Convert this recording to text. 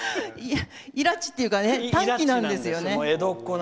イラチっていうか短気なんですよね。